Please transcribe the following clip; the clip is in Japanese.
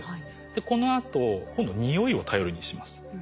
でこのあと今度匂いを頼りにします。